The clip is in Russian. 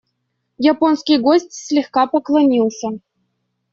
Японский гость слегка поклонился.